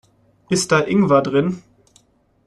Ist da Ingwer drin?